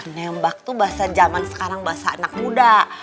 nembak tuh bahasa zaman sekarang bahasa anak muda